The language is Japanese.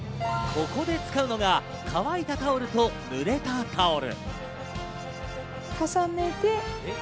ここで使うのが乾いたタオルとぬれたタオル。